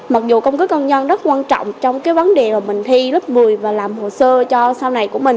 mặc dù căn cức công dân rất quan trọng trong cái vấn đề là mình thi lớp một mươi và làm hồ sơ cho sau này của mình